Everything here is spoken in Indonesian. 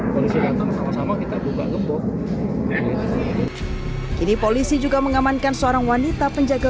polisi datang sama sama kita buka gembok kini polisi juga mengamankan seorang wanita penjaga